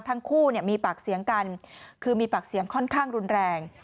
ทั้งคู่มีปากเสียงกันคือมีปากเสียงค่อนข้างรุนแรง